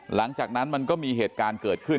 หลังจากนั้นมันก็มีเหตุการณ์เกิดขึ้น